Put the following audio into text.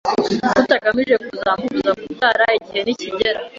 rutagamije kuzamubuza kubyara igihe nikigera